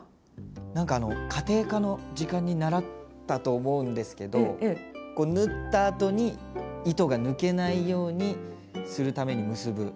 何かあの家庭科の時間に習ったと思うんですけどこう縫ったあとに糸が抜けないようにするために結ぶ。